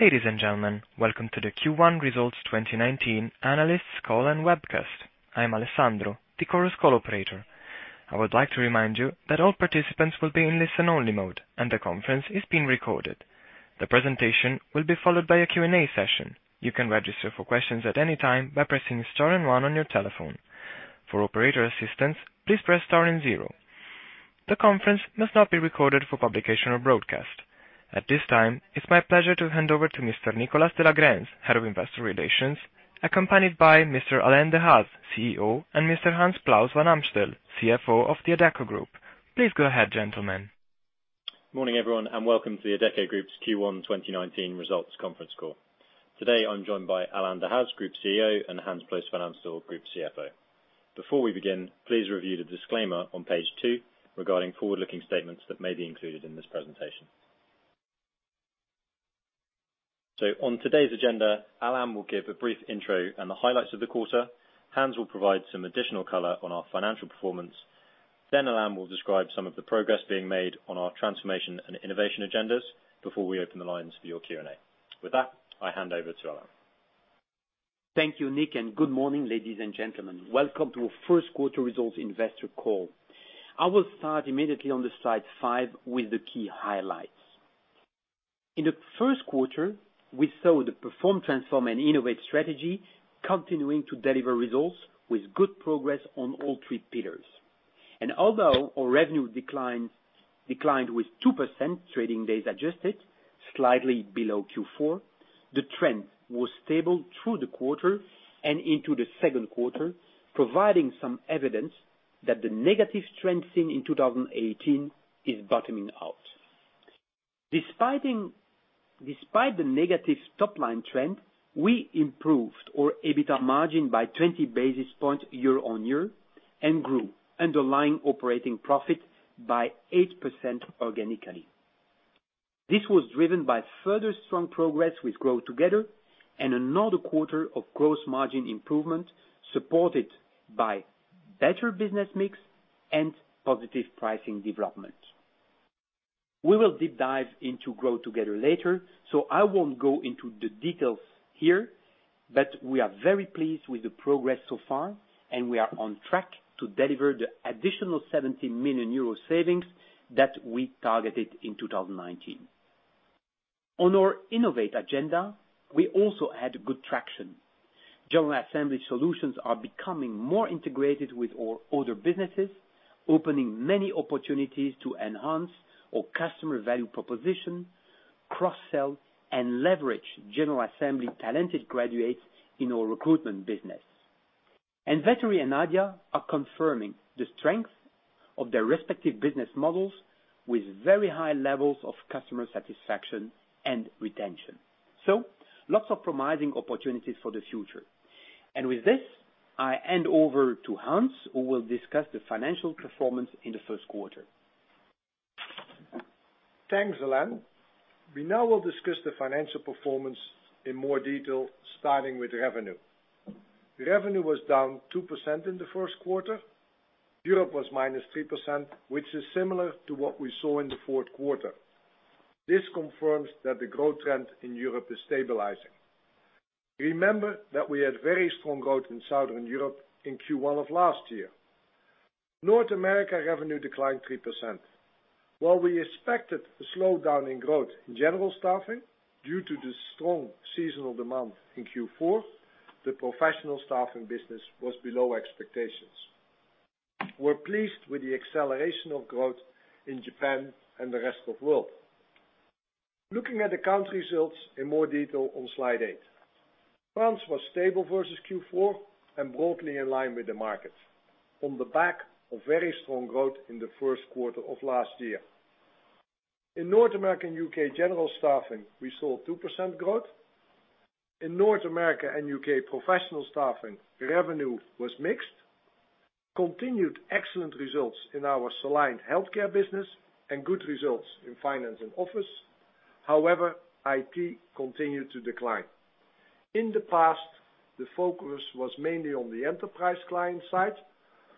Ladies and gentlemen, welcome to the Q1 Results 2019 Analyst Call and Webcast. I am Alessandro, the Chorus Call operator. I would like to remind you that all participants will be in listen-only mode, and the conference is being recorded. The presentation will be followed by a Q&A session. You can register for questions at any time by pressing star and one on your telephone. For operator assistance, please press star and zero. The conference must not be recorded for publication or broadcast. At this time, it's my pleasure to hand over to Mr. Nicholas de la Grense, Head of Investor Relations, accompanied by Mr. Alain Dehaze, CEO, and Mr. Hans Ploos van Amstel, CFO of the Adecco Group. Please go ahead, gentlemen. Morning, everyone, and welcome to the Adecco Group's Q1 2019 Results Conference Call. Today, I'm joined by Alain Dehaze, Group CEO, and Hans Ploos van Amstel, Group CFO. Before we begin, please review the disclaimer on page two regarding forward-looking statements that may be included in this presentation. On today's agenda, Alain will give a brief intro on the highlights of the quarter. Hans will provide some additional color on our financial performance. Alain will describe some of the progress being made on our transformation and innovation agendas before we open the lines for your Q&A. With that, I hand over to Alain. Thank you, Nick, and good morning, ladies and gentlemen. Welcome to our first quarter results investor call. I will start immediately on the slide five with the key highlights. In the first quarter, we saw the Perform, Transform, and Innovate strategy continuing to deliver results with good progress on all three pillars. Although our revenue declined with 2% trading days adjusted, slightly below Q4, the trend was stable through the quarter and into the second quarter, providing some evidence that the negative trend seen in 2018 is bottoming out. Despite the negative top-line trend, we improved our EBITA margin by 20 basis points year-on-year and grew underlying operating profit by 8% organically. This was driven by further strong progress with Grow Together and another quarter of gross margin improvement, supported by better business mix and positive pricing development. We will deep dive into Grow Together later, I won't go into the details here, but we are very pleased with the progress so far, and we are on track to deliver the additional 17 million euro savings that we targeted in 2019. On our innovate agenda, we also had good traction. General Assembly solutions are becoming more integrated with our other businesses, opening many opportunities to enhance our customer value proposition, cross-sell, and leverage General Assembly talented graduates in our recruitment business. Vettery and Adia are confirming the strength of their respective business models with very high levels of customer satisfaction and retention. Lots of promising opportunities for the future. With this, I hand over to Hans, who will discuss the financial performance in the first quarter. Thanks, Alain. We now will discuss the financial performance in more detail, starting with revenue. Revenue was down 2% in the first quarter. Europe was minus 3%, which is similar to what we saw in the fourth quarter. This confirms that the growth trend in Europe is stabilizing. Remember that we had very strong growth in Southern Europe in Q1 of last year. North America revenue declined 3%. While we expected a slowdown in growth in general staffing due to the strong seasonal demand in Q4, the professional staffing business was below expectations. We're pleased with the acceleration of growth in Japan and the rest of world. Looking at the country results in more detail on slide eight. France was stable versus Q4 and broadly in line with the market on the back of very strong growth in the first quarter of last year. In North America, U.K. general staffing, we saw 2% growth. In North America and U.K. professional staffing, revenue was mixed. Continued excellent results in our Soliant healthcare business and good results in finance and office. However, IT continued to decline. In the past, the focus was mainly on the enterprise client side,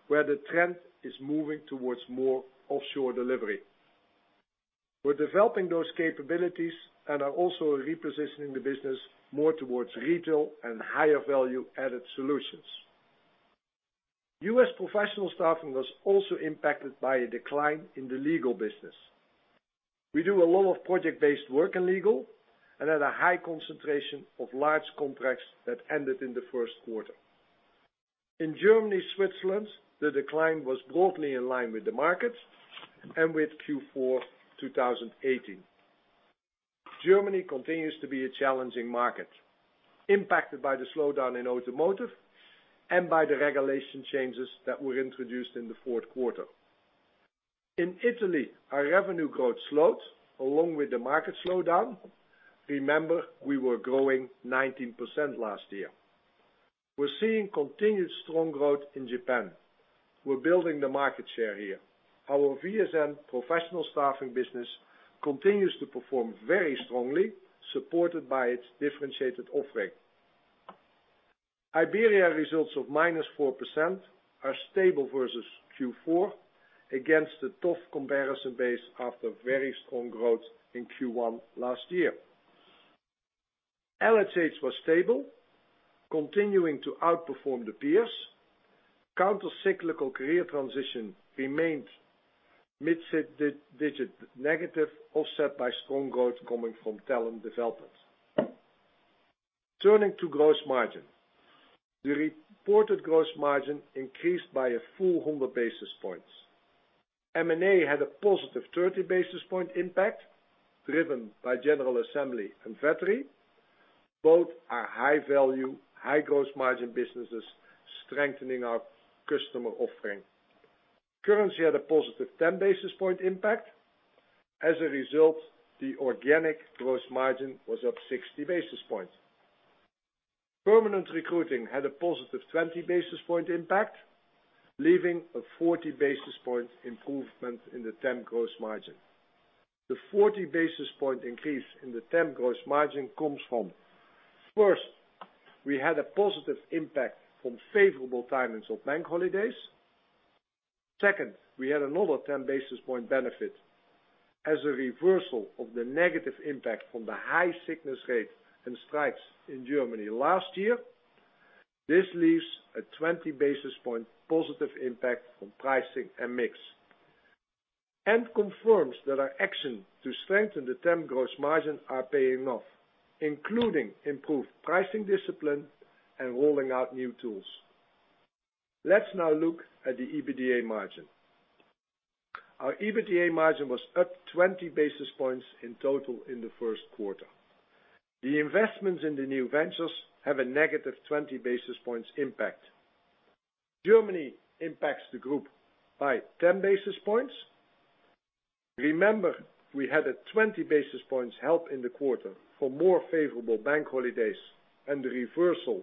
where the trend is moving towards more offshore delivery. We're developing those capabilities and are also repositioning the business more towards retail and higher value-added solutions. U.S. professional staffing was also impacted by a decline in the legal business. We do a lot of project-based work in legal and had a high concentration of large contracts that ended in the first quarter. In Germany, Switzerland, the decline was broadly in line with the market and with Q4 2018. Germany continues to be a challenging market, impacted by the slowdown in automotive and by the regulation changes that were introduced in the fourth quarter. In Italy, our revenue growth slowed along with the market slowdown. Remember, we were growing 19% last year. We're seeing continued strong growth in Japan. We're building the market share here. Our VSN professional staffing business continues to perform very strongly, supported by its differentiated offering. Iberia results of minus 4% are stable versus Q4, against a tough comparison base after very strong growth in Q1 last year. LHH was stable, continuing to outperform the peers. Counter-cyclical career transition remained mid-digit negative, offset by strong growth coming from talent development. Turning to gross margin. The reported gross margin increased by a full 100 basis points. M&A had a positive 30 basis point impact, driven by General Assembly and Vettery. Both are high value, high gross margin businesses strengthening our customer offering. Currency had a positive 10 basis point impact. As a result, the organic gross margin was up 60 basis points. Permanent recruiting had a positive 20 basis point impact, leaving a 40 basis point improvement in the temp gross margin. The 40 basis point increase in the temp gross margin comes from, first, we had a positive impact from favorable timings of bank holidays. Second, we had another 10 basis point benefit as a reversal of the negative impact from the high sickness rate and strikes in Germany last year. This leaves a 20 basis point positive impact from pricing and mix, and confirms that our action to strengthen the temp gross margin are paying off, including improved pricing discipline and rolling out new tools. Let's now look at the EBITDA margin. Our EBITDA margin was up 20 basis points in total in the first quarter. The investments in the new ventures have a negative 20 basis points impact. Germany impacts the group by 10 basis points. Remember, we had a 20 basis points help in the quarter for more favorable bank holidays and the reversal of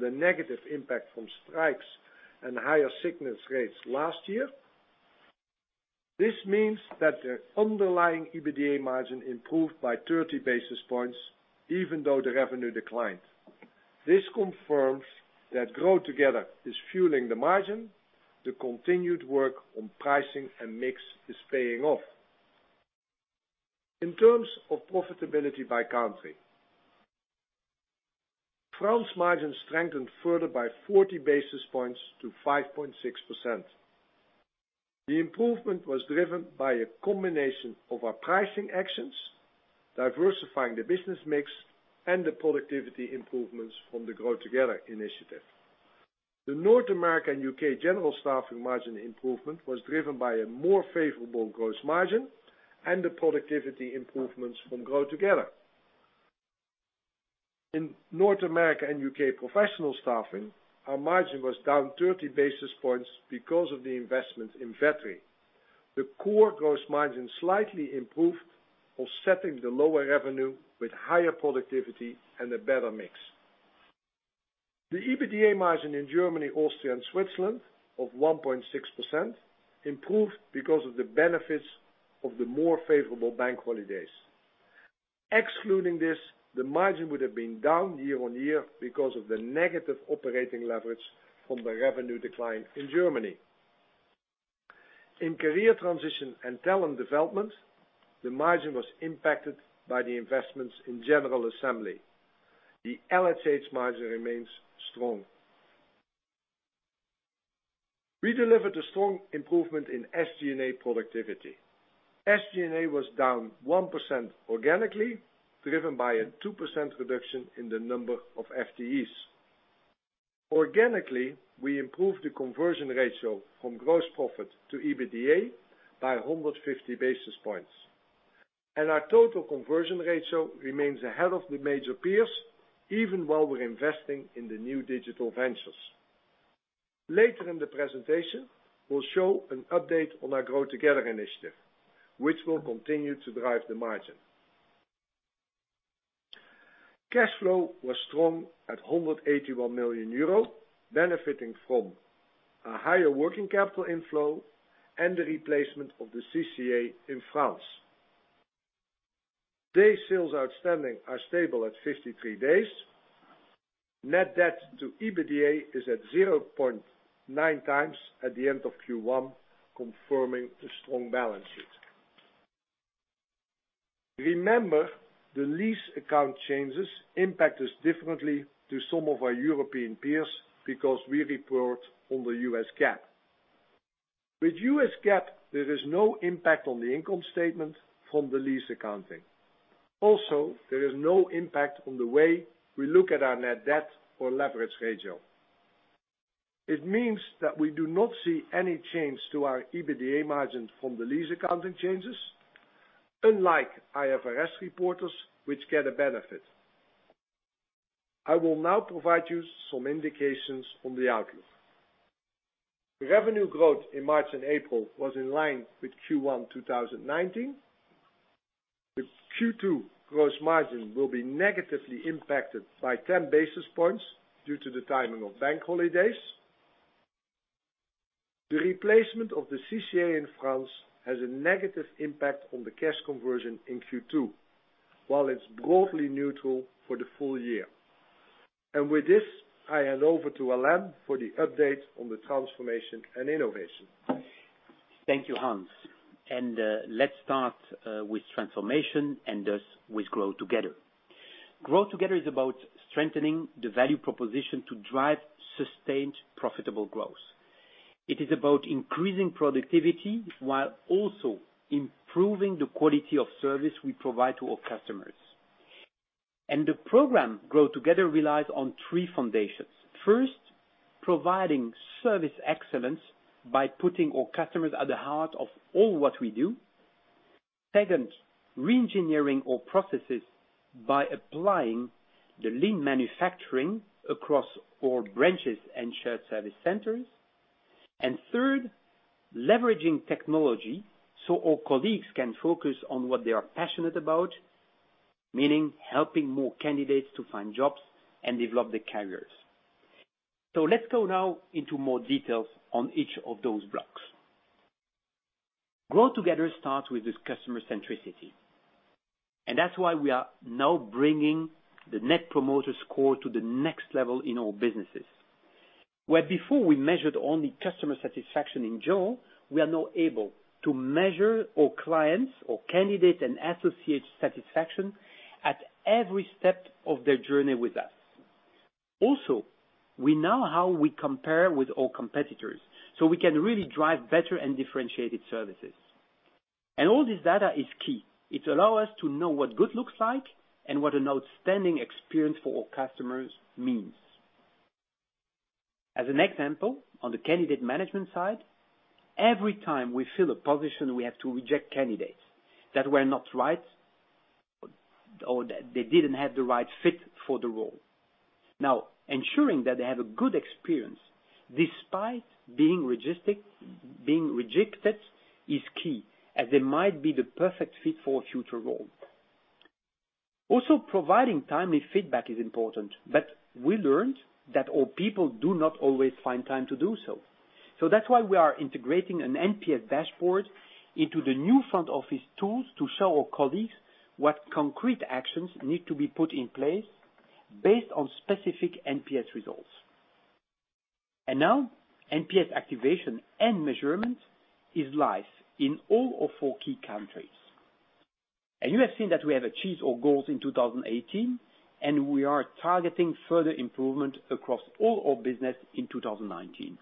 the negative impact from strikes and higher sickness rates last year. This means that the underlying EBITDA margin improved by 30 basis points, even though the revenue declined. This confirms that Grow Together is fueling the margin. The continued work on pricing and mix is paying off. In terms of profitability by country. France margin strengthened further by 40 basis points to 5.6%. The improvement was driven by a combination of our pricing actions, diversifying the business mix, and the productivity improvements from the Grow Together initiative. The North America and U.K. general staffing margin improvement was driven by a more favorable gross margin and the productivity improvements from Grow Together. In North America and U.K. professional staffing, our margin was down 30 basis points because of the investment in Vettery. The core gross margin slightly improved, offsetting the lower revenue with higher productivity and a better mix. The EBITDA margin in Germany, Austria, and Switzerland of 1.6% improved because of the benefits of the more favorable bank holidays. Excluding this, the margin would have been down year-on-year because of the negative operating leverage from the revenue decline in Germany. In career transition and talent development, the margin was impacted by the investments in General Assembly. The LHH margin remains strong. We delivered a strong improvement in SG&A productivity. SG&A was down 1% organically, driven by a 2% reduction in the number of FTEs. Organically, we improved the conversion ratio from gross profit to EBITDA by 150 basis points. Our total conversion ratio remains ahead of the major peers, even while we're investing in the new digital ventures. Later in the presentation, we'll show an update on our Grow Together initiative, which will continue to drive the margin. Cash flow was strong at 181 million euro, benefiting from a higher working capital inflow and the replacement of the CCA in France. Day sales outstanding are stable at 53 days. Net debt to EBITDA is at 0.9 times at the end of Q1, confirming the strong balance sheet. Remember, the lease account changes impact us differently to some of our European peers because we report under U.S. GAAP. With U.S. GAAP, there is no impact on the income statement from the lease accounting. There is no impact on the way we look at our net debt or leverage ratio. It means that we do not see any change to our EBITDA margins from the lease accounting changes, unlike IFRS reporters, which get a benefit. I will now provide you some indications on the outlook. Revenue growth in March and April was in line with Q1 2019. The Q2 gross margin will be negatively impacted by 10 basis points due to the timing of bank holidays. The replacement of the CCA in France has a negative impact on the cash conversion in Q2, while it's broadly neutral for the full year. With this, I hand over to Alain for the update on the transformation and innovation. Thank you, Hans. Let's start with transformation and thus with Grow Together. Grow Together is about strengthening the value proposition to drive sustained profitable growth. It is about increasing productivity while also improving the quality of service we provide to our customers. The program Grow Together relies on three foundations. First, providing service excellence by putting our customers at the heart of all what we do. Second, re-engineering our processes by applying the Lean manufacturing across our branches and shared service centers. Third, leveraging technology so our colleagues can focus on what they are passionate about, meaning helping more candidates to find jobs and develop their careers. Let's go now into more details on each of those blocks. Grow Together starts with this customer centricity, and that's why we are now bringing the Net Promoter Score to the next level in all businesses. Where before we measured only customer satisfaction in general, we are now able to measure our clients or candidate and associate satisfaction at every step of their journey with us. We know how we compare with our competitors, so we can really drive better and differentiated services. All this data is key. It allow us to know what good looks like and what an outstanding experience for our customers means. As an example, on the candidate management side, every time we fill a position, we have to reject candidates that were not right or they didn't have the right fit for the role. Now ensuring that they have a good experience despite being rejected is key, as they might be the perfect fit for a future role. Providing timely feedback is important, but we learned that our people do not always find time to do so. That's why we are integrating an NPS dashboard into the new front office tools to show our colleagues what concrete actions need to be put in place based on specific NPS results. Now NPS activation and measurement is live in all our four key countries. You have seen that we have achieved our goals in 2018 and we are targeting further improvement across all our business in 2019.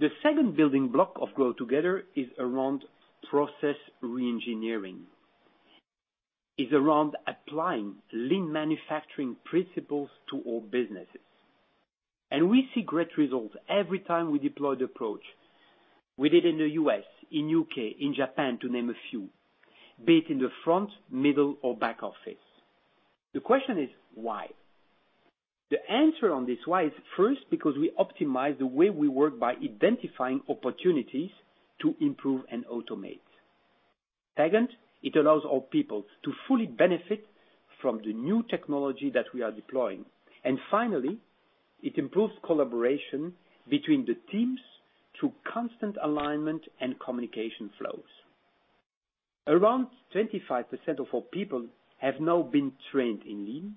The second building block of Grow Together is around process re-engineering, is around applying Lean manufacturing principles to all businesses. We see great results every time we deploy the approach. We did in the U.S., in the U.K., in Japan, to name a few, be it in the front, middle, or back office. The question is, why? The answer on this why is first because we optimize the way we work by identifying opportunities to improve and automate. Second, it allows our people to fully benefit from the new technology that we are deploying. Finally, it improves collaboration between the teams through constant alignment and communication flows. Around 25% of our people have now been trained in Lean,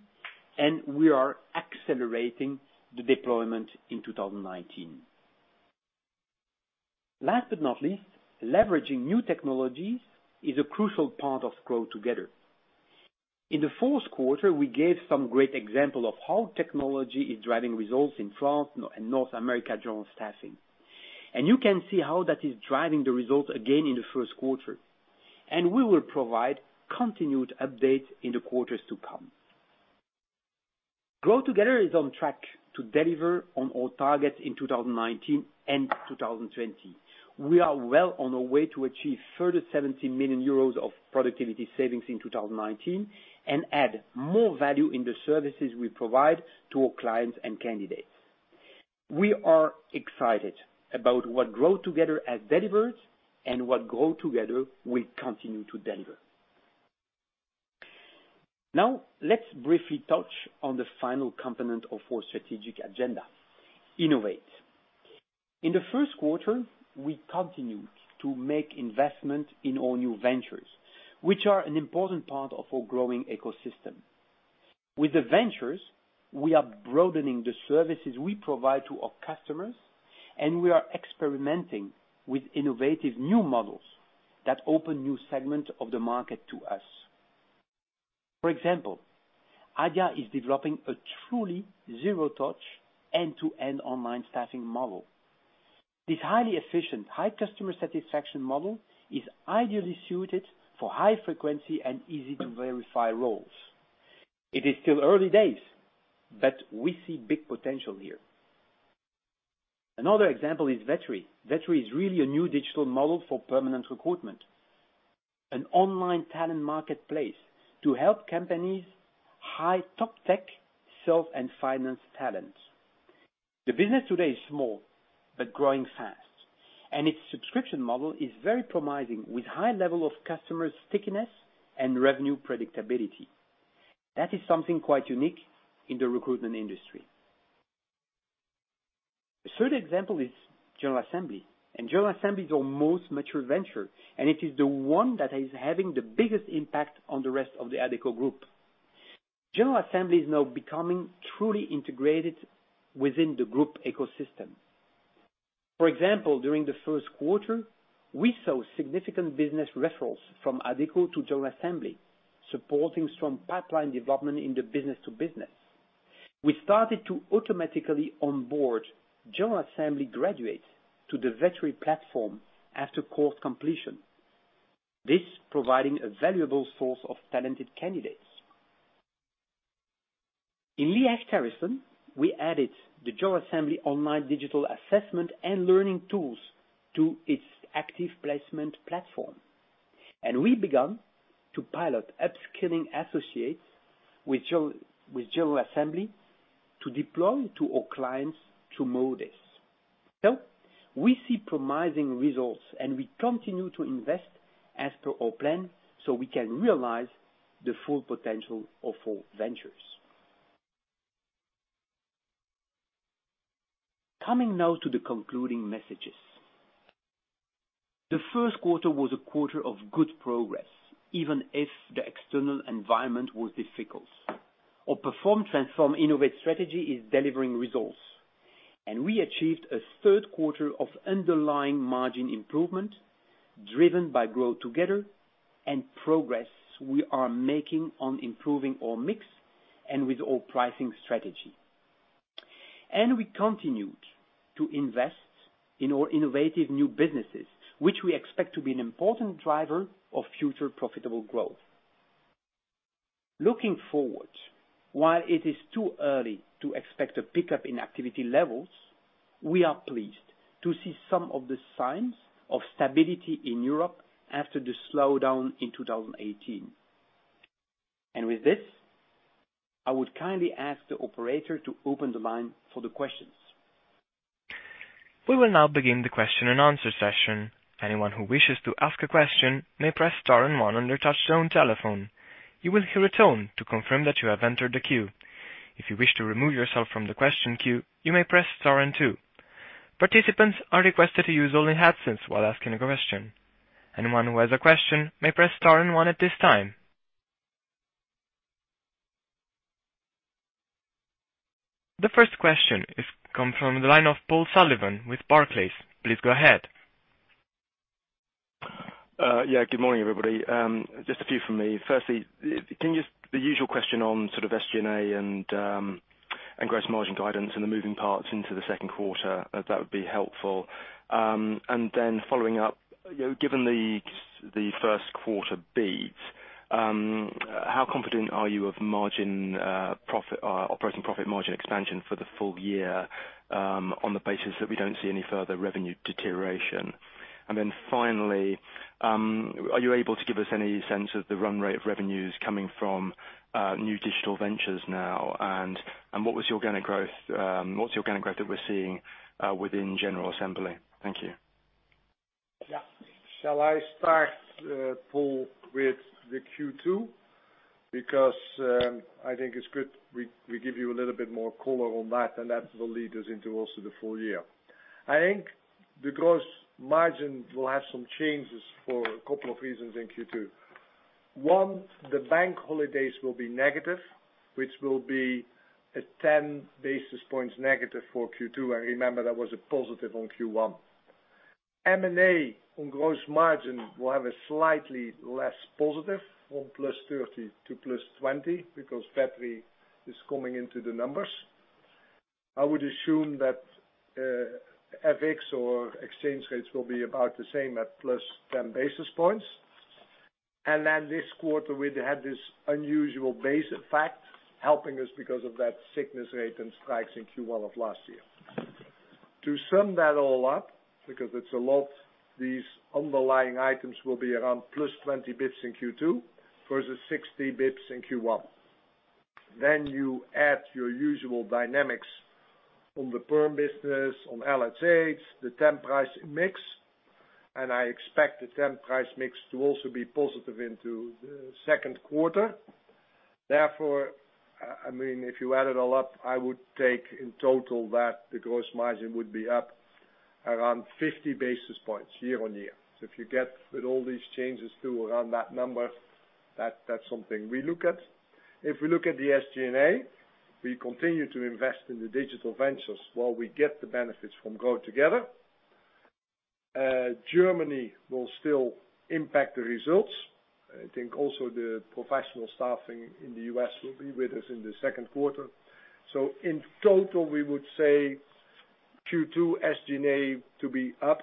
and we are accelerating the deployment in 2019. Last but not least, leveraging new technologies is a crucial part of Grow Together. In the fourth quarter, we gave some great example of how technology is driving results in France and North America General Staffing. You can see how that is driving the results again in the first quarter. We will provide continued updates in the quarters to come. Grow Together is on track to deliver on our targets in 2019 and 2020. We are well on our way to achieve further 70 million euros of productivity savings in 2019 and add more value in the services we provide to our clients and candidates. We are excited about what Grow Together has delivered and what Grow Together will continue to deliver. Now let's briefly touch on the final component of our strategic agenda: Innovate. In the first quarter, we continued to make investment in all new ventures, which are an important part of our growing ecosystem. With the ventures, we are broadening the services we provide to our customers, and we are experimenting with innovative new models that open new segments of the market to us. For example, Adia is developing a truly zero-touch end-to-end online staffing model. This highly efficient, high customer satisfaction model is ideally suited for high frequency and easy to verify roles. It is still early days, but we see big potential here. Another example is Vettery. Vettery is really a new digital model for permanent recruitment, an online talent marketplace to help companies hire top tech, sales, and finance talents. The business today is small but growing fast, and its subscription model is very promising with high level of customer stickiness and revenue predictability. That is something quite unique in the recruitment industry. The third example is General Assembly. General Assembly is our most mature venture. It is the one that is having the biggest impact on the rest of the Adecco Group. General Assembly is now becoming truly integrated within the group ecosystem. For example, during the first quarter, we saw significant business referrals from Adecco to General Assembly, supporting strong pipeline development in the business to business. We started to automatically onboard General Assembly graduates to the Vettery platform after course completion, providing a valuable source of talented candidates. In Lee Hecht Harrison, we added the General Assembly online digital assessment and learning tools to its active placement platform. We began to pilot upskilling associates with General Assembly to deploy to our clients through Modis. We see promising results. We continue to invest as per our plan so we can realize the full potential of our ventures. Coming now to the concluding messages. The first quarter was a quarter of good progress, even if the external environment was difficult. Our Perform, Transform, Innovate strategy is delivering results. We achieved a third quarter of underlying margin improvement, driven by Grow Together and progress we are making on improving our mix and with our pricing strategy. We continued to invest in our innovative new businesses, which we expect to be an important driver of future profitable growth. Looking forward, while it is too early to expect a pickup in activity levels, we are pleased to see some of the signs of stability in Europe after the slowdown in 2018. With this, I would kindly ask the operator to open the line for the questions. We will now begin the question and answer session. Anyone who wishes to ask a question may press star and one on their touchtone telephone. You will hear a tone to confirm that you have entered the queue. If you wish to remove yourself from the question queue, you may press star and two. Participants are requested to use only headsets while asking a question. Anyone who has a question may press star and one at this time. The first question is come from the line of Paul Sullivan with Barclays. Please go ahead. Yeah. Good morning, everybody. Just a few from me. Firstly, the usual question on sort of SG&A and gross margin guidance and the moving parts into the second quarter, if that would be helpful. Following up, given the first quarter beat, how confident are you of operating profit margin expansion for the full year on the basis that we don't see any further revenue deterioration? Finally, are you able to give us any sense of the run rate of revenues coming from new digital ventures now? What was the organic growth that we're seeing within General Assembly? Thank you. Yeah. Shall I start, Paul, with the Q2? I think it's good we give you a little bit more color on that, and that will lead us into also the full year. I think the gross margin will have some changes for a couple of reasons in Q2. One, the bank holidays will be negative, which will be a 10 basis points negative for Q2. Remember, that was a positive on Q1. M&A on gross margin will have a slightly less positive from +30 to +20 because Vettery is coming into the numbers. I would assume that FX or exchange rates will be about the same at +10 basis points. This quarter, we'd had this unusual base effect helping us because of that sickness rate and strikes in Q1 of last year. To sum that all up, because it's a lot, these underlying items will be around +20 basis points in Q2 versus 60 basis points in Q1. You add your usual dynamics on the perm business, on LHH, the temp price mix, I expect the temp price mix to also be positive into the second quarter. If you add it all up, I would take in total that the gross margin would be up around 50 basis points year-over-year. If you get with all these changes to around that number, that's something we look at. If we look at the SG&A, we continue to invest in the digital ventures while we get the benefits from Grow Together. Germany will still impact the results. I think also the professional staffing in the U.S. will be with us in the second quarter. In total, we would say Q2 SG&A to be up,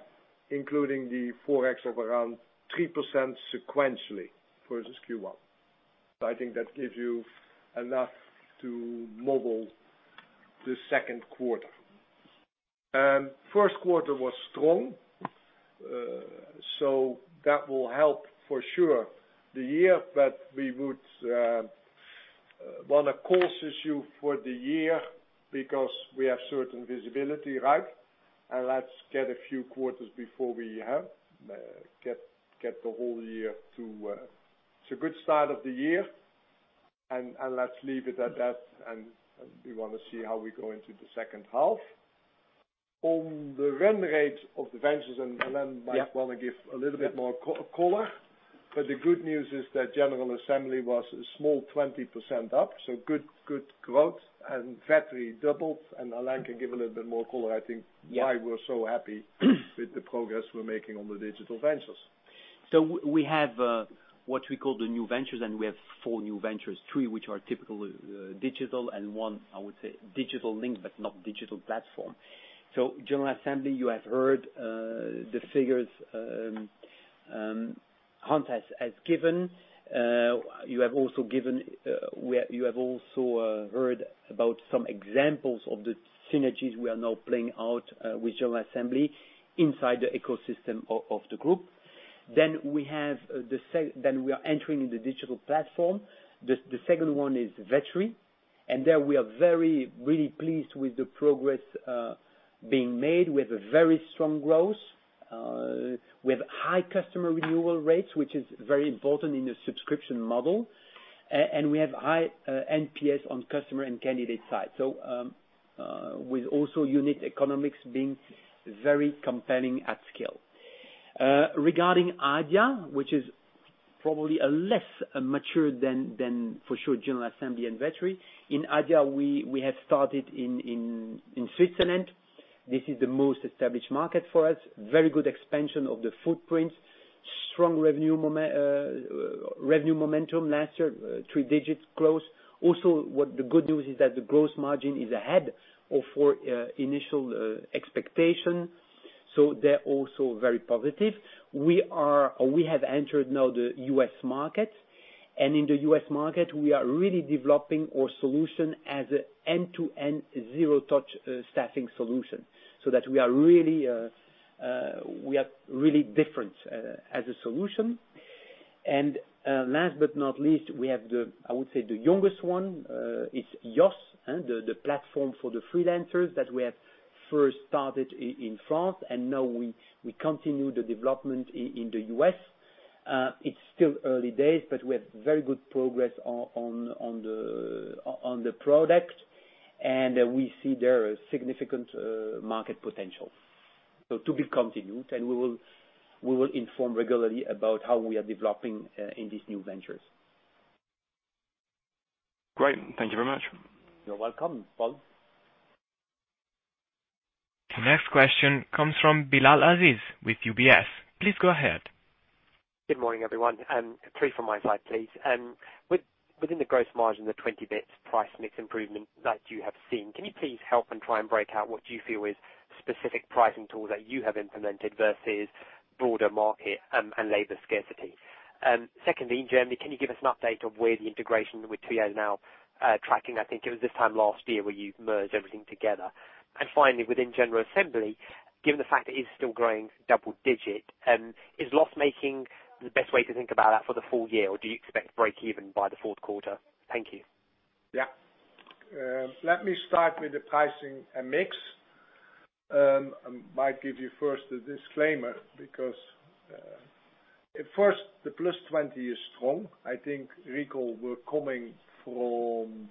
including the ForEx of around 3% sequentially versus Q1. I think that gives you enough to model the second quarter. First quarter was strong, so that will help for sure the year, but we would want to caution you for the year because we have certain visibility, right? Let's get a few quarters before we get the whole year. It's a good start of the year, and let's leave it at that, and we want to see how we go into the second half. On the run rate of the ventures, and Alain might want to give a little bit more color. The good news is that General Assembly was a small 20% up, so good growth, and Vettery doubled. Alain can give a little bit more color, I think, why we're so happy with the progress we're making on the digital ventures. We have what we call the new ventures, and we have four new ventures. Three which are typical digital, and one, I would say, digital link, but not digital platform. General Assembly, you have heard the figures Hans has given. You have also heard about some examples of the synergies we are now playing out with General Assembly inside the ecosystem of the group. We are entering in the digital platform. The second one is Vettery, and there we are very really pleased with the progress being made. We have a very strong growth. We have high customer renewal rates, which is very important in the subscription model. We have high NPS on customer and candidate side. With also unit economics being very compelling at scale. Regarding Adia, which is probably less mature than, for sure, General Assembly and Vettery. In Adia, we have started in Switzerland. This is the most established market for us. Very good expansion of the footprint. Strong revenue momentum last year, three digits growth. Also, the good news is that the growth margin is ahead of our initial expectation. They're also very positive. We have entered now the U.S. market, and in the U.S. market, we are really developing our solution as an end-to-end zero-touch staffing solution, so that we are really different as a solution. Last but not least, we have, I would say, the youngest one is YOSS, the platform for the freelancers that we have first started in France, and now we continue the development in the U.S. It's still early days, but we have very good progress on the product, and we see there a significant market potential. To be continued, and we will inform regularly about how we are developing in these new ventures. Great. Thank you very much. You're welcome, Paul. The next question comes from Bilal Aziz with UBS. Please go ahead. Good morning, everyone. Three from my side, please. Within the gross margin, the 20 basis points price mix improvement that you have seen, can you please help and try and break out what you feel is specific pricing tools that you have implemented versus broader market and labor scarcity? Secondly, Germany, can you give us an update on where the integration with Twilio now tracking, I think it was this time last year where you merged everything together. Finally, within General Assembly, given the fact that it is still growing double digit, is loss-making the best way to think about that for the full year, or do you expect breakeven by the fourth quarter? Thank you. Yeah. Let me start with the pricing and mix. I might give you first the disclaimer, because at first, the +20 is strong. I think, recall, we're coming from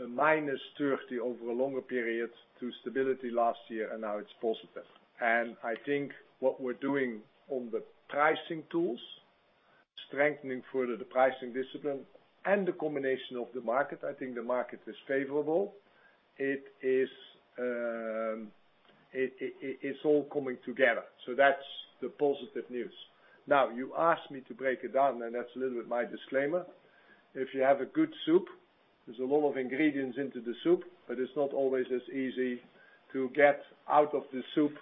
a -30 over a longer period to stability last year, and now it's positive. I think what we're doing on the pricing tools, strengthening further the pricing discipline and the combination of the market, I think the market is favorable. It's all coming together. That's the positive news. Now, you asked me to break it down, and that's a little bit my disclaimer. If you have a good soup, there's a lot of ingredients into the soup, but it's not always as easy to get out of the soup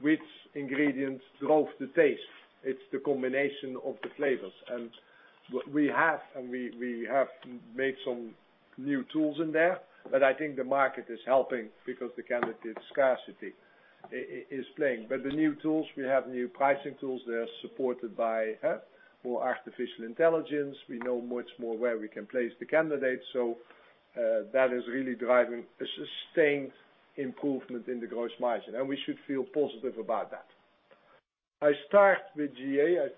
which ingredients drove the taste. It's the combination of the flavors. We have made some new tools in there, but I think the market is helping because the candidate scarcity is playing. The new tools, we have new pricing tools that are supported by more artificial intelligence. We know much more where we can place the candidates. That is really driving a sustained improvement in the gross margin, and we should feel positive about that. I start with GA.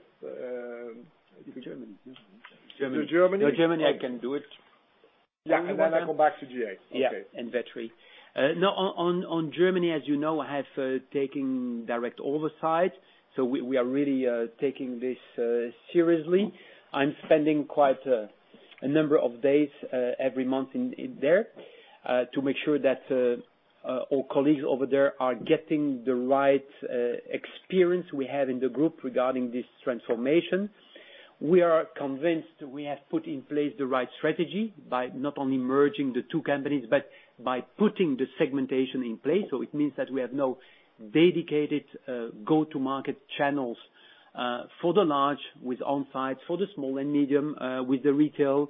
Germany. To Germany. No, Germany, I can do it. Yeah. Then I come back to GA. Okay. Yeah, Vettery. No, on Germany, as you know, I have taken direct oversight. We are really taking this seriously. I'm spending quite a number of days every month in there to make sure that our colleagues over there are getting the right experience we have in the group regarding this transformation. We are convinced we have put in place the right strategy by not only merging the two companies, but by putting the segmentation in place. It means that we have now dedicated go-to-market channels for the large with onsite, for the small and medium with the retail.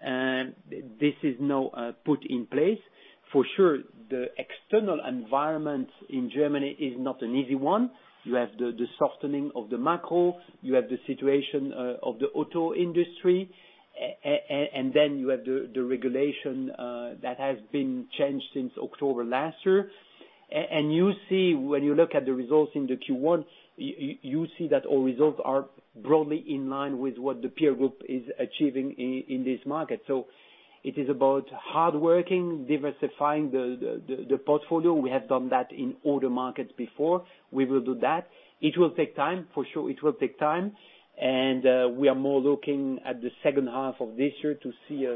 This is now put in place. For sure, the external environment in Germany is not an easy one. You have the softening of the macro. You have the situation of the auto industry, then you have the regulation that has been changed since October last year. You see when you look at the results in the Q1, you see that our results are broadly in line with what the peer group is achieving in this market. It is about hardworking, diversifying the portfolio. We have done that in all the markets before. We will do that. It will take time. For sure, it will take time, we are more looking at the second half of this year to see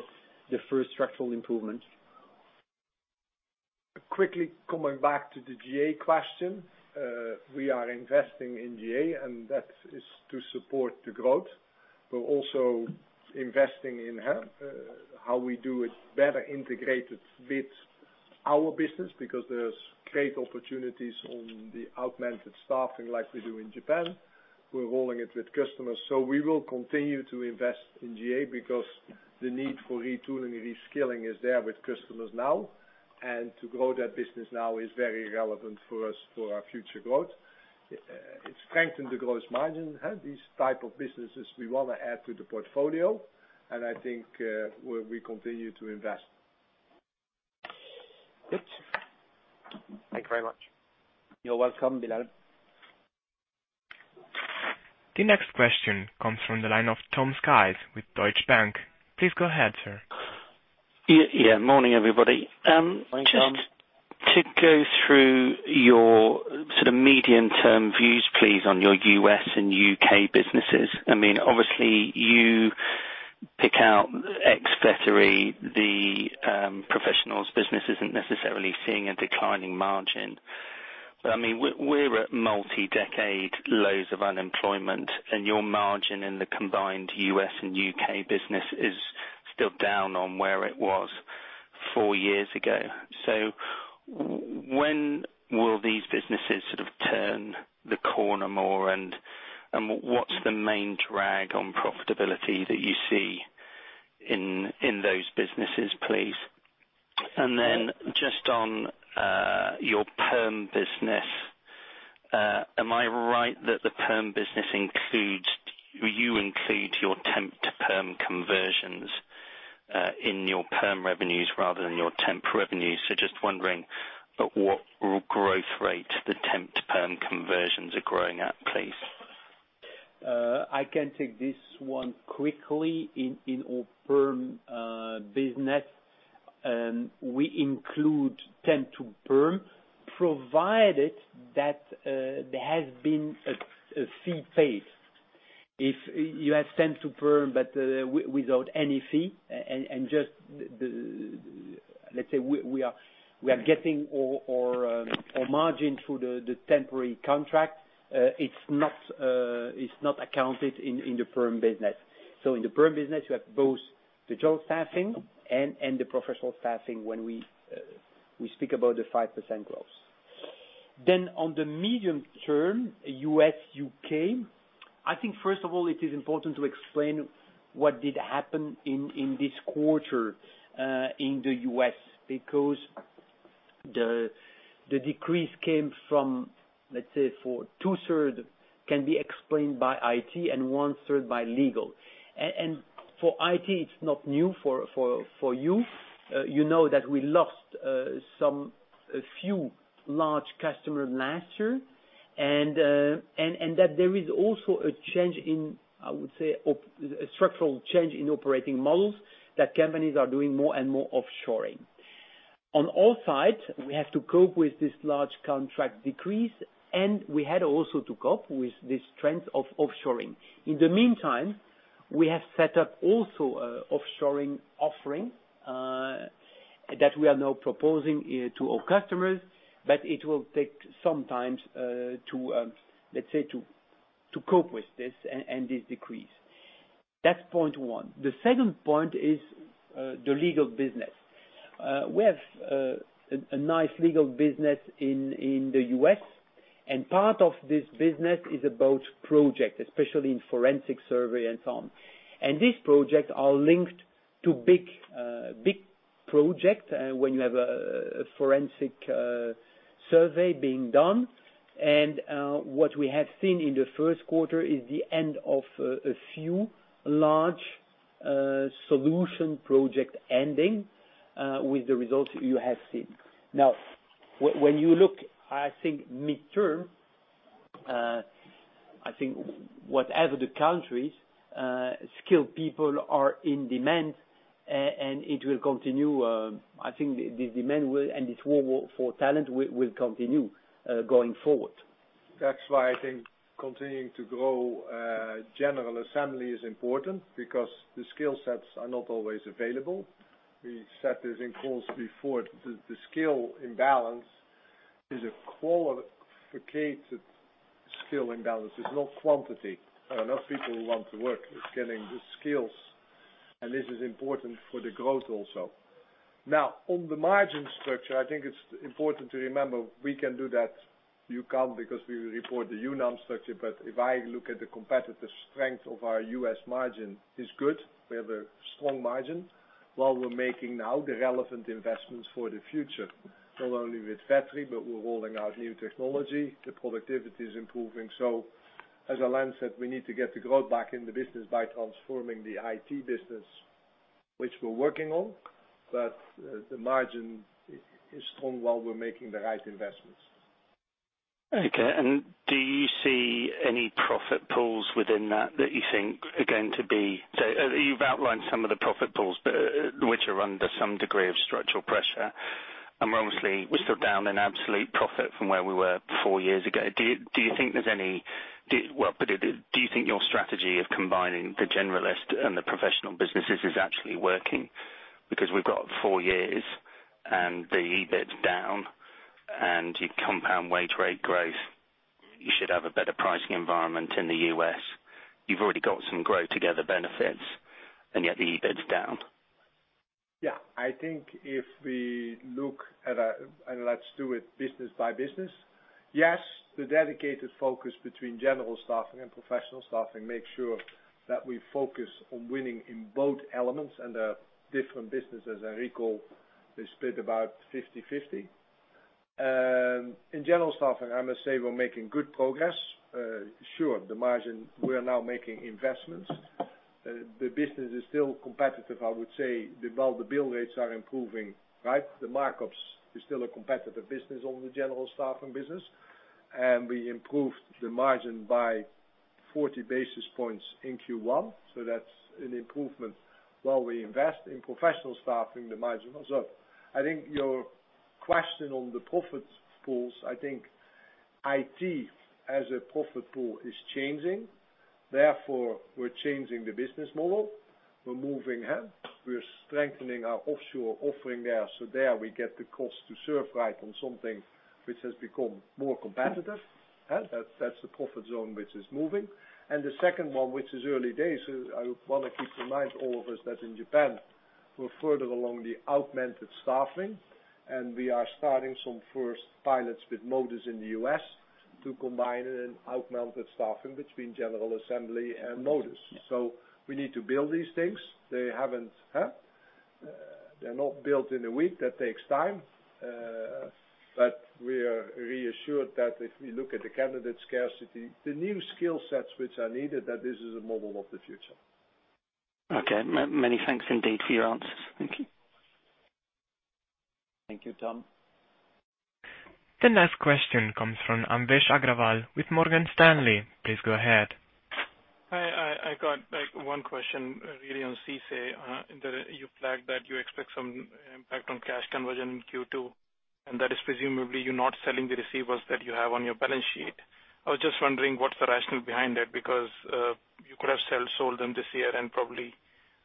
the first structural improvement. Quickly coming back to the GA question. We are investing in GA, and that is to support the growth. We're also investing in how we do it better integrated with our business because there's great opportunities on the augmented staffing like we do in Japan. We're rolling it with customers. We will continue to invest in GA because the need for retooling and reskilling is there with customers now, and to grow that business now is very relevant for us for our future growth. It strengthened the gross margin. These type of businesses we want to add to the portfolio, and I think we'll continue to invest. Good. Thank you very much. You're welcome, Bilal. The next question comes from the line of Tom Sykes with Deutsche Bank. Please go ahead, sir. Yeah. Morning, everybody. Morning, Tom. Just to go through your sort of medium term views please, on your U.S. and U.K. businesses. Obviously, you pick out ex Vettery, the professionals business isn't necessarily seeing a declining margin. We're at multi-decade lows of unemployment, and your margin in the combined U.S. and U.K. business is still down on where it was four years ago. When will these businesses sort of turn the corner more, and what's the main drag on profitability that you see in those businesses, please? Just on your perm business, am I right that the perm business you include your temp to perm conversions in your perm revenues rather than your temp revenues? Just wondering at what growth rate the temp to perm conversions are growing at, please. I can take this one quickly. In our perm business, we include temp to perm, provided that there has been a fee paid. If you have temp to perm but without any fee and just, let's say we are getting our margin through the temporary contract, it's not accounted in the perm business. In the perm business, you have both the job staffing and the professional staffing when we speak about the 5% growth. On the medium term, U.S., U.K., I think first of all, it is important to explain what did happen in this quarter in the U.S. because the decrease came from, let's say, for two-third can be explained by IT and one-third by legal. For IT, it's not new for you. You know that we lost a few large customers last year. There is also a structural change in operating models that companies are doing more and more offshoring. We have to cope with this large contract decrease. We had also to cope with this trend of offshoring. We have set up also an offshoring offering that we are now proposing to our customers. It will take some time to cope with this decrease. That is point 1. The second point is the legal business. We have a nice legal business in the U.S. Part of this business is about projects, especially in forensic surveys and so on. These projects are linked to big projects when you have a forensic survey being done. What we have seen in the first quarter is the end of a few large solution projects ending with the results you have seen. When you look, midterm, whatever the countries, skilled people are in demand. It will continue. The demand and this war for talent will continue going forward. That is why continuing to grow General Assembly is important because the skill sets are not always available. We said this in calls before. The skill imbalance is a qualified skill imbalance. It is not quantity. There are enough people who want to work. It is getting the skills. This is important for the growth also. On the margin structure, it is important to remember we can do that. You cannot because we report the [Volume]. If I look at the competitive strength of our U.S. margin is good. We have a strong margin while we are making now the relevant investments for the future, not only with Vettery. We are rolling out new technology. The productivity is improving. As Alain said, we need to get the growth back in the business by transforming the IT business, which we are working on. The margin is strong while we are making the right investments. Okay. Do you see any profit pools within that you think are going to be? You've outlined some of the profit pools, which are under some degree of structural pressure, and obviously we're still down in absolute profit from where we were four years ago. Do you think your strategy of combining the generalist and the professional businesses is actually working? Because we've got four years, and the EBIT's down, and you compound wage rate growth, you should have a better pricing environment in the U.S. You've already got some Grow Together benefits, and yet the EBIT's down. Yeah. I think if we look at. Let's do it business by business. Yes, the dedicated focus between general staffing and professional staffing makes sure that we focus on winning in both elements and the different businesses. Adecco is split about 50/50. In general staffing, I must say we're making good progress. Sure, the margin, we are now making investments. The business is still competitive, I would say. While the bill rates are improving, right, the markups is still a competitive business on the general staffing business. We improved the margin by 40 basis points in Q1, so that's an improvement while we invest. In professional staffing, the margin goes up. I think your question on the profit pools, I think IT as a profit pool is changing, therefore, we're changing the business model. We're moving it. We're strengthening our offshore offering there, so there we get the cost to serve right on something which has become more competitive. That's the profit zone which is moving. The second one, which is early days, I want to keep in mind all of us that in Japan, we're further along the augmented staffing, and we are starting some first pilots with Modis in the U.S. to combine an augmented staffing between General Assembly and Modis. We need to build these things. They're not built in a week. That takes time. We are reassured that if we look at the candidate scarcity, the new skill sets which are needed, that this is a model of the future. Okay. Many thanks indeed for your answers. Thank you. Thank you, Tom. The next question comes from Anvesh Agrawal with Morgan Stanley. Please go ahead. Hi. I got one question, really, on CCA. You flagged that you expect some impact on cash conversion in Q2, and that is presumably you not selling the receivables that you have on your balance sheet. I was just wondering what's the rationale behind that, because you could have sold them this year and probably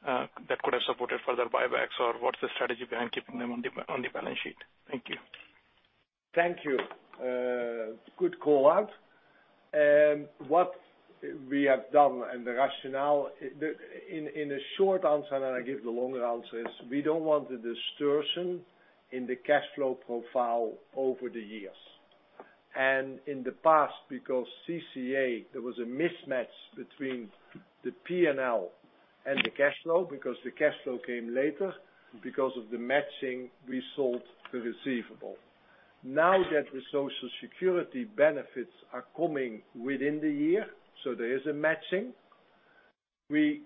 that could have supported further buybacks, or what's the strategy behind keeping them on the balance sheet? Thank you. Thank you. Good call-out. What we have done and the rationale, in a short answer, then I give the longer answer, is we don't want a distortion in the cash flow profile over the years. In the past, because CCA, there was a mismatch between the P&L and the cash flow because the cash flow came later. Because of the matching, we sold the receivable. Now that the Social Security benefits are coming within the year, there is a matching, we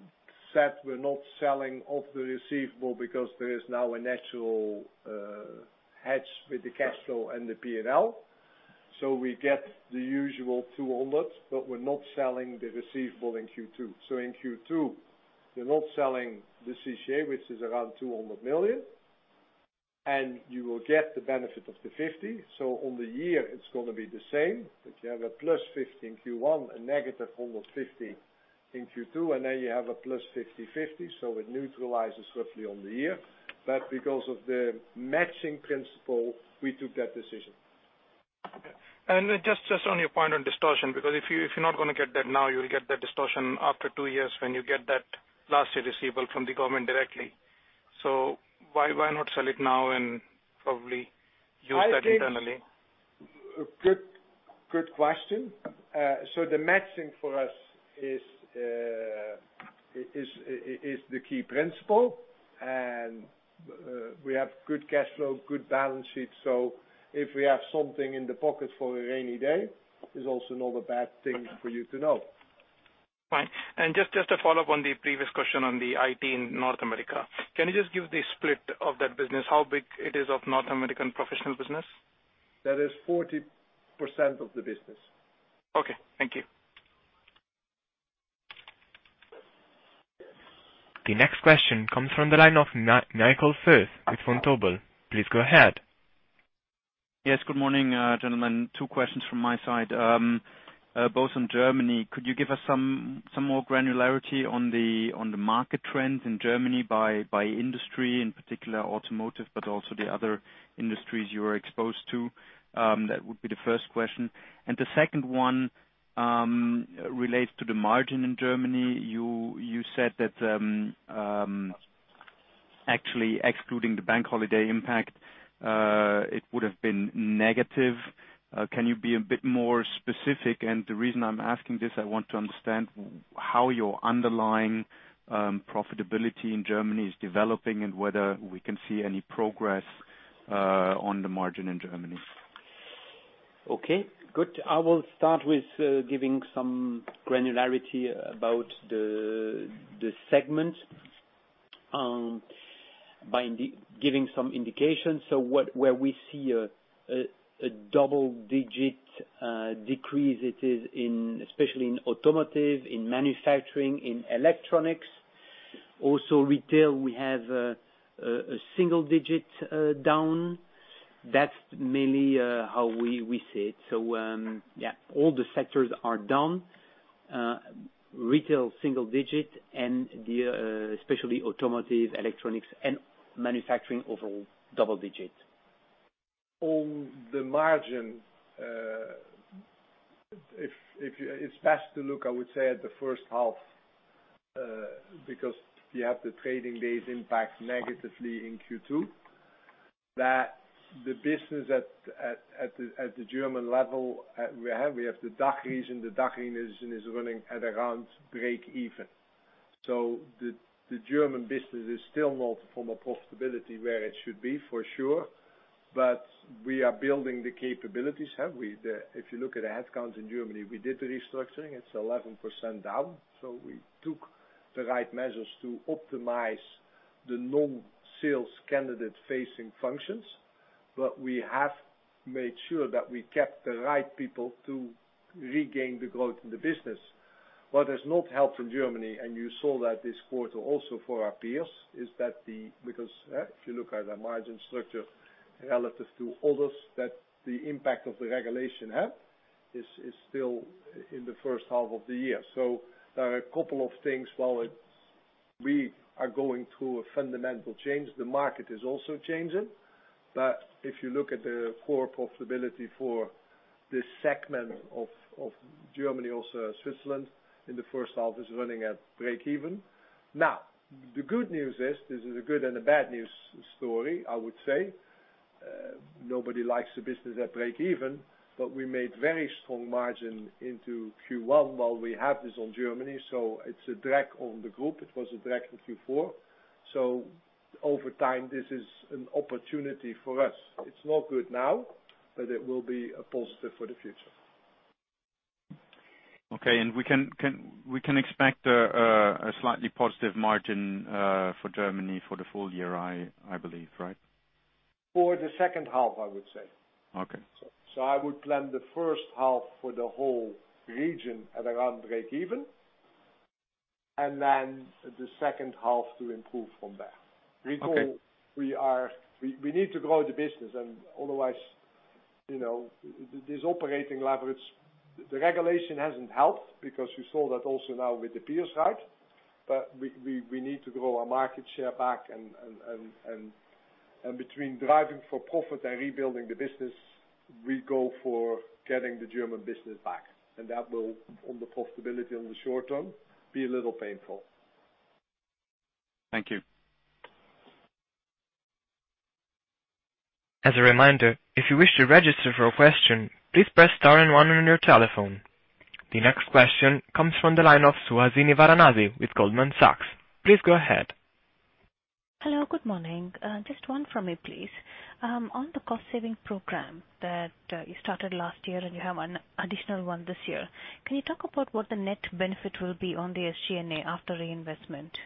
said we're not selling off the receivable because there is now a natural hedge with the cash flow and the P&L. We get the usual 200, but we're not selling the receivable in Q2. In Q2, we're not selling the CCA, which is around 200 million, and you will get the benefit of the 50. On the year, it's going to be the same, but you have a +50 in Q1 and -150 in Q2, and then you have a +50/50, it neutralizes roughly on the year. Because of the matching principle, we took that decision. Okay. Just on your point on distortion, because if you're not going to get that now, you'll get that distortion after 2 years when you get that last year receivable from the government directly. Why not sell it now and probably use that internally? Good question. The matching for us is the key principle, and we have good cash flow, good balance sheet. If we have something in the pocket for a rainy day, it's also not a bad thing for you to know. Fine. Just to follow up on the previous question on the IT in North America. Can you just give the split of that business? How big it is of North American professional business? That is 40% of the business. Okay. Thank you. The next question comes from the line of Michael Foeth with Vontobel. Please go ahead. Yes, good morning, gentlemen. Two questions from my side, both on Germany. Could you give us some more granularity on the market trends in Germany by industry, in particular automotive, but also the other industries you are exposed to? That would be the first question. The second one relates to the margin in Germany. You said that actually excluding the bank holiday impact, it would've been negative. Can you be a bit more specific? The reason I'm asking this, I want to understand how your underlying profitability in Germany is developing and whether we can see any progress on the margin in Germany. Okay, good. I will start with giving some granularity about the segment by giving some indications. Where we see a double-digit decrease, it is especially in automotive, in manufacturing, in electronics. Retail, we have a single-digit down. That's mainly how we see it. Yeah, all the sectors are down. Retail, single-digit and especially automotive, electronics, and manufacturing overall, double-digit. On the margin, it's best to look, I would say, at the first half, because you have the trading days impact negatively in Q2. The business at the German level, we have the DACH region. The DACH region is running at around breakeven. The German business is still not from a profitability where it should be, for sure. We are building the capabilities. If you look at the headcount in Germany, we did the restructuring, it's 11% down. We took the right measures to optimize the non-sales candidate-facing functions. We have made sure that we kept the right people to regain the growth in the business. What has not helped in Germany, and you saw that this quarter also for our peers, because if you look at the margin structure relative to others, that the impact of the regulation is still in the first half of the year. There are a couple of things. While we are going through a fundamental change, the market is also changing. If you look at the core profitability for this segment of Germany, also Switzerland, in the first half is running at breakeven. Now, the good news is, this is a good and a bad news story, I would say. Nobody likes a business at breakeven, we made very strong margin into Q1 while we have this on Germany, so it's a drag on the group. It was a drag in Q4. Over time, this is an opportunity for us. It's not good now, it will be a positive for the future. Okay. We can expect a slightly positive margin for Germany for the full year, I believe, right? For the second half, I would say. Okay. I would plan the first half for the whole region at around breakeven, and then the second half to improve from there. Okay. We need to grow the business. Otherwise, this operating leverage, the regulation hasn't helped because you saw that also now with the peers. We need to grow our market share back, and between driving for profit and rebuilding the business, we go for getting the German business back. That will, on the profitability in the short term, be a little painful. Thank you. As a reminder, if you wish to register for a question, please press star and one on your telephone. The next question comes from the line of Suhasini Varanasi with Goldman Sachs. Please go ahead. Hello, good morning. Just one from me, please. On the cost saving program that you started last year, you have an additional one this year. Can you talk about what the net benefit will be on the SG&A after reinvestment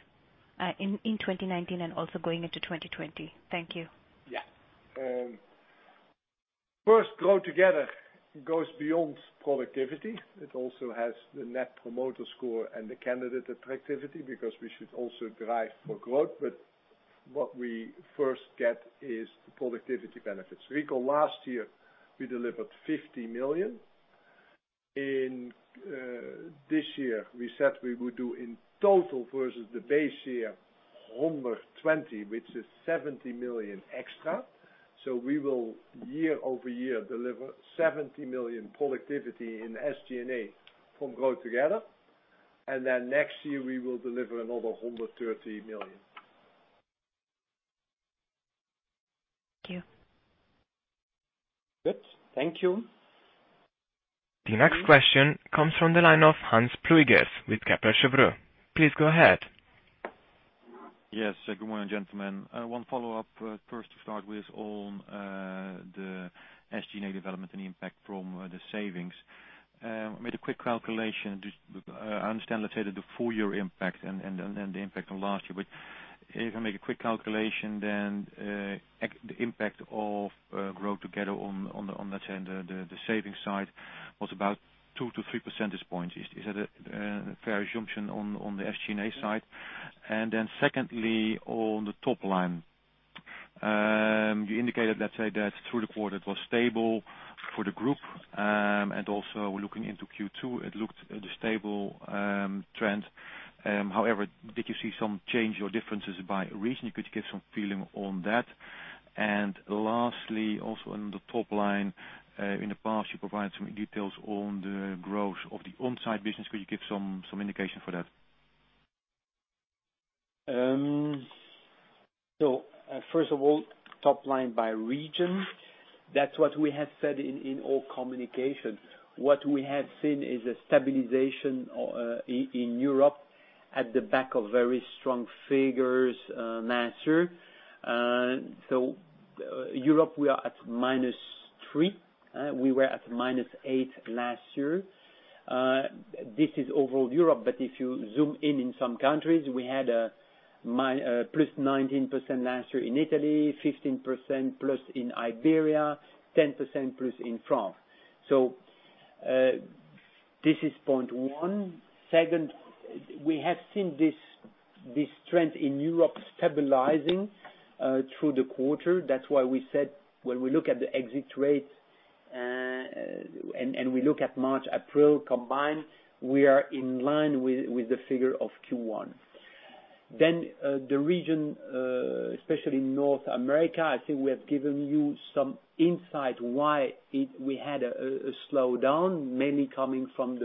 in 2019 and also going into 2020? Thank you. Yeah. First Grow Together goes beyond productivity. It also has the Net Promoter Score and the candidate attractivity because we should also drive for growth. What we first get is productivity benefits. Recall last year we delivered 50 million. This year we said we would do in total versus the base year, 120 million, which is 70 million extra. We will year-over-year deliver 70 million productivity in SG&A from Grow Together. Next year we will deliver another 130 million. Thank you. Good. Thank you. The next question comes from the line of Hans Pluijgers with Kepler Cheuvreux. Please go ahead. Yes. Good morning, gentlemen. One follow-up. First to start with on the SG&A development and the impact from the savings. I made a quick calculation. I understand, let's say that the full year impact and the impact on last year. But if I make a quick calculation, then the impact of Grow Together on, let's say the savings side was about two to three percentage points. Is that a fair assumption on the SG&A side? Then secondly, on the top line. Also looking into Q2, it looked at a stable trend. However, did you see some change or differences by region? Could you give some feeling on that? Lastly, also on the top line, in the past you provided some details on the growth of the onsite business. Could you give some indication for that? First of all, top line by region. That's what we have said in all communication. What we have seen is a stabilization in Europe at the back of very strong figures last year. Europe, we are at -3%. We were at -8% last year. This is overall Europe, but if you zoom in on some countries, we had a +19% last year in Italy, +15% in Iberia, +10% in France. This is point one. Second, we have seen this trend in Europe stabilizing through the quarter. That's why we said when we look at the exit rates and we look at March, April combined, we are in line with the figure of Q1. The region, especially North America, I think we have given you some insight why we had a slowdown, mainly coming from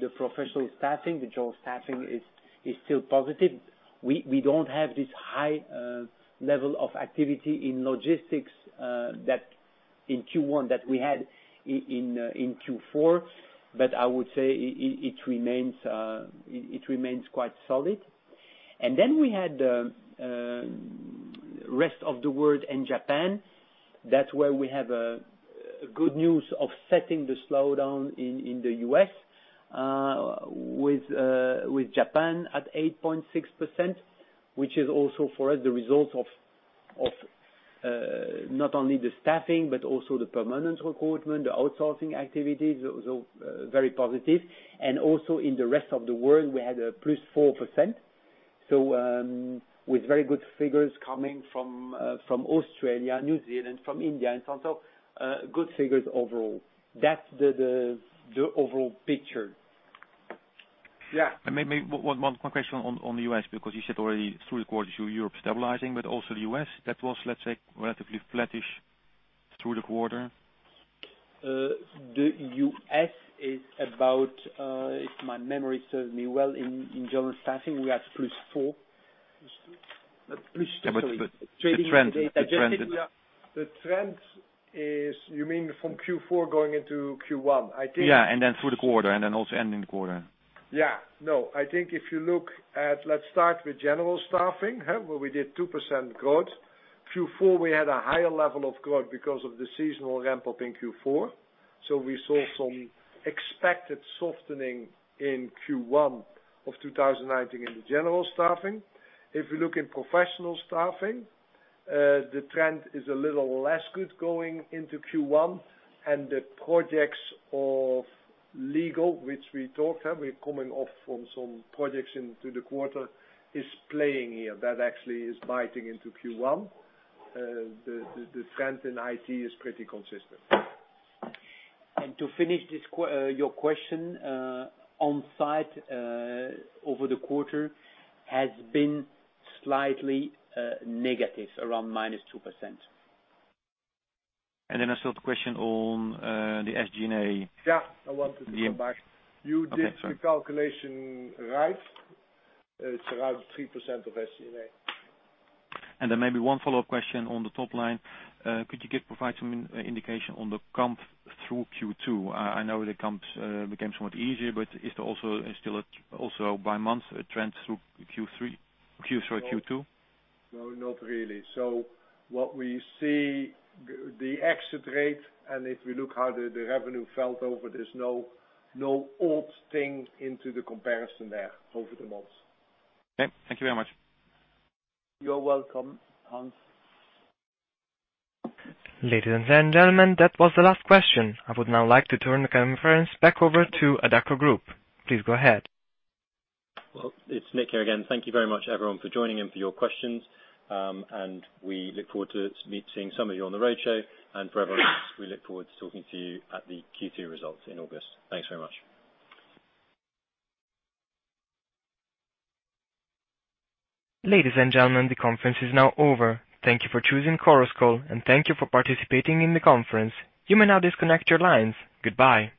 the professional staffing. The job staffing is still positive. We don't have this high level of activity in logistics in Q1 that we had in Q4, but I would say it remains quite solid. We had the rest of the world and Japan. That's where we have good news offsetting the slowdown in the U.S., with Japan at 8.6%, which is also for us the result of not only the staffing but also the permanent recruitment, the outsourcing activities, very positive. Also in the rest of the world, we had a +4%. With very good figures coming from Australia, New Zealand, from India and so on. Good figures overall. That's the overall picture. Yeah. Maybe one question on the U.S., because you said already through the quarter Europe stabilizing, but also the U.S., that was, let's say, relatively flattish through the quarter. The U.S. is about, if my memory serves me well, in general staffing, we are at plus four. Plus two. Plus two, sorry. Yeah, the trend. The trend is, you mean from Q4 going into Q1? Yeah, and then through the quarter, and then also ending the quarter. Yeah. No, I think if you look at, let's start with general staffing, where we did 2% growth. Q4, we had a higher level of growth because of the seasonal ramp-up in Q4. We saw some expected softening in Q1 of 2019 in the general staffing. If you look in professional staffing, the trend is a little less good going into Q1, and the projects of legal, which we talked, we're coming off from some projects into the quarter, is playing here. That actually is biting into Q1. The trend in IT is pretty consistent. To finish your question, on-site over the quarter has been slightly negative, around minus 2%. I still have the question on the SG&A. Yeah, I wanted to come back. Okay, sorry. You did the calculation right. It's around 3% of SG&A. Maybe one follow-up question on the top line. Could you provide some indication on the comp through Q2? I know the comps became somewhat easier, but is there also by month a trend through Q2, sorry. No, not really. What we see, the exit rate, and if we look how the revenue felt over, there's no odd thing into the comparison there over the months. Okay. Thank you very much. You're welcome, Hans. Ladies and gentlemen, that was the last question. I would now like to turn the conference back over to Adecco Group. Please go ahead. Well, it's Nick here again. Thank you very much, everyone, for joining and for your questions. We look forward to meeting some of you on the roadshow. For everyone else, we look forward to talking to you at the Q2 results in August. Thanks very much. Ladies and gentlemen, the conference is now over. Thank you for choosing Chorus Call, and thank you for participating in the conference. You may now disconnect your lines. Goodbye.